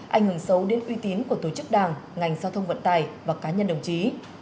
ảnh hưởng sâu đến uy tín của tổ chức đảng ngành giao thông vận tài và cá nhân đồng chí